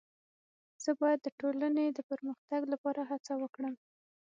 زه باید د ټولني د پرمختګ لپاره هڅه وکړم.